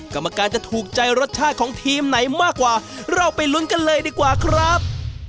กรรมการจะถูกใจรสชาติของทีมไหนมากกว่าเราไปลุ้นกันเลยดีกว่าครับ